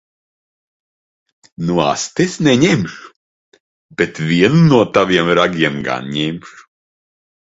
Nu asti es neņemšu. Bet vienu no taviem ragiem gan ņemšu.